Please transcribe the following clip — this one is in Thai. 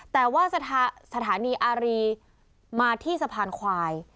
แต่ว่าสถานีอารีมาที่สะพานควาย